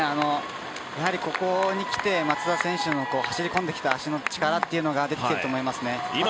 ここにきて、松田選手の走り込んできた足の力というのが出てきていると思います。